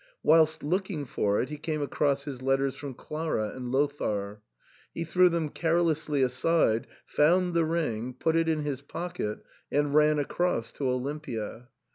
Whilst looking for it he came across his letters from Clara and Lothair; he threw them carelessly aside, found the ring, put it in his pocket, and ran across to Olimpia.